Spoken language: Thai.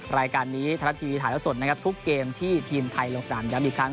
รายการนี้ไทยรัฐทีวีถ่ายแล้วสดนะครับทุกเกมที่ทีมไทยลงสนามย้ำอีกครั้ง